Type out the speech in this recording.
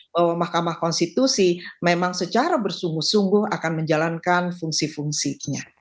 bahwa mahkamah konstitusi memang secara bersungguh sungguh akan menjalankan fungsi fungsinya